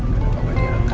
kau bawa dia angkat ya